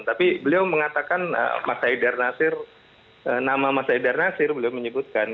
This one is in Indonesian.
tapi beliau mengatakan mas haidar nasir nama mas haidar nasir beliau menyebutkan